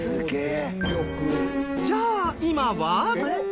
じゃあ今は？